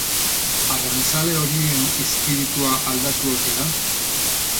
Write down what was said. Arrantzale horien izpiritua aldatu ote da?